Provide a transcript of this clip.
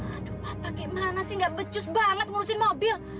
aduh papa gimana sih nggak becus banget ngurusin mobil